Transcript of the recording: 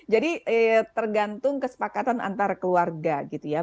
jadi tergantung kesepakatan antar keluarga gitu ya